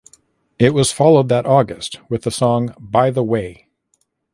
It was followed that August with the song "By the Way".